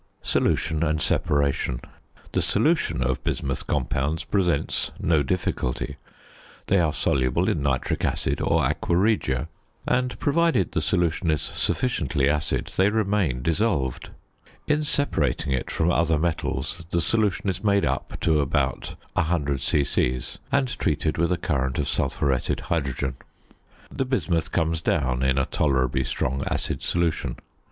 ~Solution and Separation.~ The solution of bismuth compounds presents no difficulty. They are soluble in nitric acid or aqua regia, and, provided the solution is sufficiently acid, they remain dissolved. In separating it from other metals the solution is made up to about 100 c.c. and treated with a current of sulphuretted hydrogen. The bismuth comes down in a tolerably strong acid solution.